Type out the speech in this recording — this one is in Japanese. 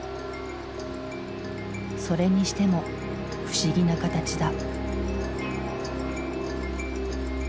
それにしても不思議な形だ。